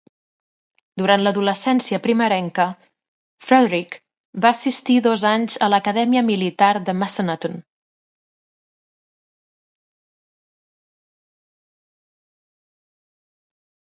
Durant l'adolescència primerenca, Frederick va assistir dos anys a l'Acadèmia Militar de Massanutten.